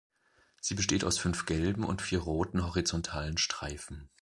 Sie besteht aus fünf gelben und vier roten, horizontalen Streifen.